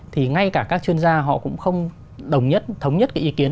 thì ngay cả các chuyên gia họ cũng không đồng nhất thống nhất cái ý kiến